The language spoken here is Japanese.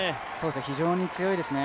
非常に強いですね。